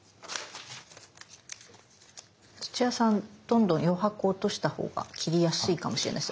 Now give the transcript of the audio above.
土屋さんどんどん余白を落としたほうが切りやすいかもしれないです。